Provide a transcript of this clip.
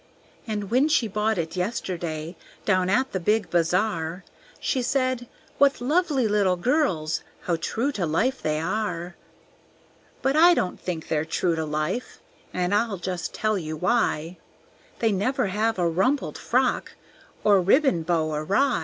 And when she bought it yesterday, Down at the big bazaar, She said, "What lovely little girls, How true to life they are." But I don't think they're true to life, And I'll just tell you why; They never have a rumpled frock Or ribbon bow awry.